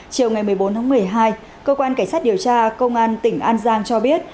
chiều ngày một mươi bốn tháng một mươi hai cơ quan cảnh sát điều tra công an tỉnh an giang cho biết